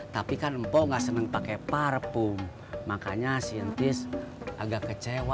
tapi kan empok gak seneng pakai parfum makanya si tis agak kecewa